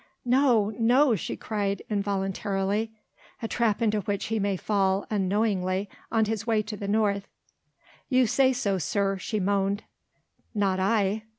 "No, no!" she cried involuntarily. "A trap into which he may fall ... unknowingly ... on his way to the north." "You say so, sir," she moaned, "not I...."